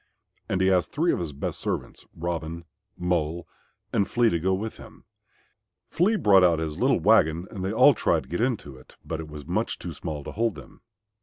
And he asked three of his best servants, Robin, Mole and Flea, to go with him. Flea brought out his little wagon and they all tried to get into it, but it was much too small to hold them.